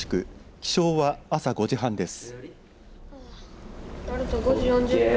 起床は朝５時半です。